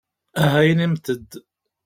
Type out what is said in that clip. Aha inimt-d!